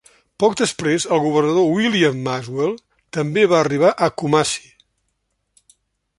Poc després el Governador William Maxwell també va arribar a Kumasi.